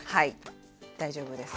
大丈夫です。